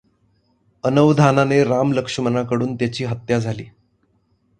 अनवधानाने राम लक्ष्मणाकडून त्याची हत्या झाली.